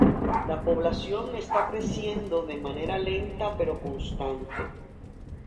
La población está creciendo de manera lenta pero constante.